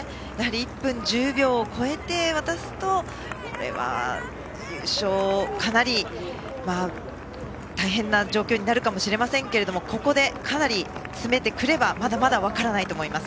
１分１０秒を超えて渡すとこれは優勝はかなり大変な状況になるかもしれませんがここでかなり詰めてくればまだまだ分からないと思います。